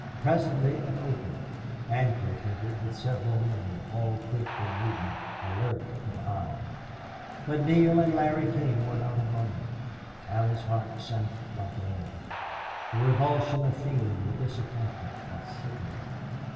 Presently it opened. Ancliffe entered with several men, all quick in movement, alert of eye. But Neale and Larry King were not among them. Allie's heart sank like lead. The revulsion of feeling, the disappointment, was sickening.